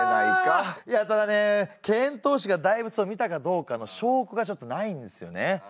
遣唐使が大仏を見たかどうかの証拠がちょっとないんですよね。